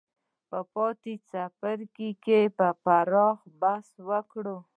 په پاتې څپرکو کې به پراخ بحثونه وکړو.